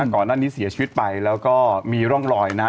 ก่อนหน้านี้เสียชีวิตไปแล้วก็มีร่องรอยนะฮะ